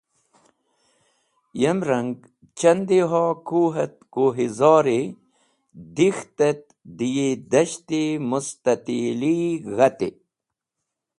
Yem rang, chandiho kuh et kuhizori dek̃ht et dẽ yi dasht-e mustatili g̃hati.